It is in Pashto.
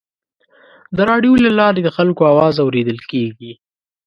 د راډیو له لارې د خلکو اواز اورېدل کېږي.